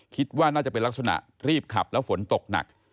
คิดว่าน่าจะเป็นลักษณะรีบขับแล้วฝนตกหนัก